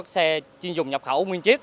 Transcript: xe chuyên dùng nhập khẩu nguyên chiếc